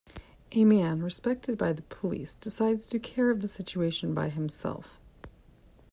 A man, respected by the police, decides to care of the situation by himself.